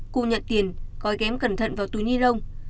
cụ nhận tiền gói ghém cẩn thận vào túi nhi lông